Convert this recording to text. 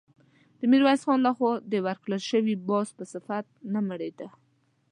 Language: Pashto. د ميرويس خان له خوا د ورکړل شوي باز په صفت نه مړېده.